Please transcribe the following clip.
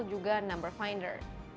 juga nama nama yang lainnya